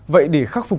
vậy để khắc phục